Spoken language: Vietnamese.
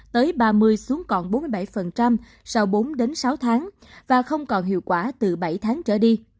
tới ba mươi xuống còn bốn mươi bảy sau bốn sáu tháng và không còn hiệu quả từ bảy tháng trở đi